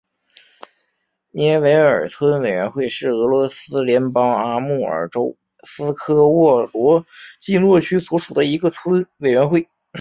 涅韦尔村委员会是俄罗斯联邦阿穆尔州斯科沃罗季诺区所属的一个村委员会。